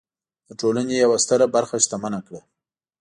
د ټولنې یوه ستره برخه شتمنه کړه.